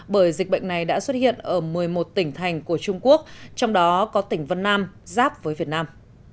bởi dịch bệnh này đã xuất hiện ở một mươi một tỉnh thành của trung quốc trong đó có tỉnh vân nam giáp với việt nam